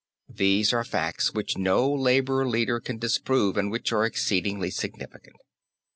These are facts which no labour leader can disprove and which are exceedingly significant.